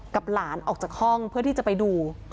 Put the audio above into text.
หลานออกจากห้องเพื่อที่จะไปดู